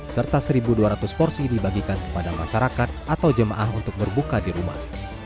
serta satu dua ratus porsi dibagikan kepada masyarakat atau jemaah untuk berbuka di rumah